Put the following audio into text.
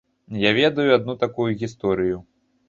Я ведаю адну такую гісторыю.